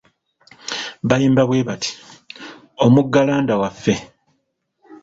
Bayimba bwe bati, omugalanda waffe.